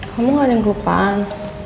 kamu gak ada yang lupaan